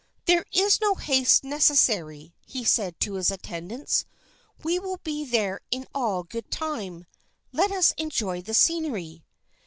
"There is no haste necessary," he said to his attendants; "we will be there all in good time. Let us enjoy the scenery."